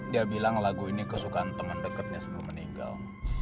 dia bilang lagu ini kesukaan temen deketnya sebelum meninggal